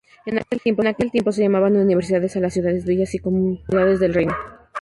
En aquel tiempo se llamaban universidades a las ciudades, villas y comunidades del reino.